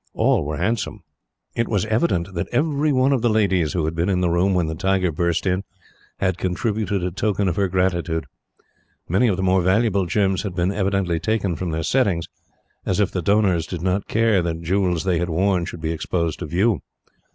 All were handsome. It was evident that every one of the ladies who had been in the room, when the tiger burst in, had contributed a token of her gratitude. Many of the more valuable gems had been evidently taken from their settings, as if the donors did not care that jewels they had worn should be exposed to view.